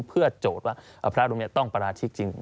เพื่อโจทย์ว่าพระองค์นี้ต้องปราชิกจริง